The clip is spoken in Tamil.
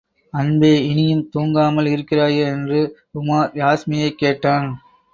அன்பே, இனியும் தூங்காமல் இருக்கிறாயே என்று உமார் யாஸ்மியைக் கேட்டான்.